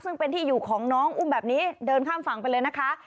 ซึ่งเป็นที่อยู่ของน้องอุ้มแบบนี้เดินข้ามฝั่งไปเลยนะคะ